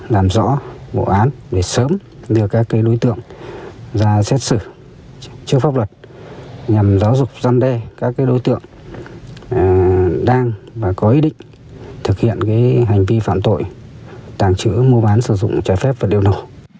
làm rõ vụ án để sớm đưa các đối tượng ra xét xử trước pháp luật nhằm giáo dục giam đeee các đối tượng đang và có ý định thực hiện hành vi phạm tội tảng chữ mua bán sử dụng chế phép vật liệu nổ